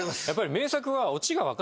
名作は。